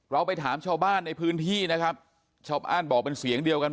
เราไปถามชาวบ้านในพื้นที่นะครับชาวบ้านบอกเป็นเสียงเดียวกัน